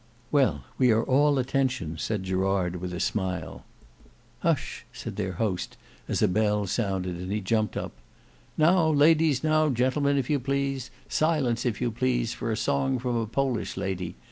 "Well, we are all attention," said Gerard with a smile. "Hush!" said their host as a bell sounded, and he jumped up. "Now ladies, now gentlemen, if you please; silence if you please for a song from a Polish lady.